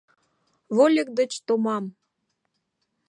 Вольык деч томам!